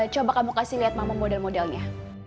coba kamu kasih lihat mama model modelnya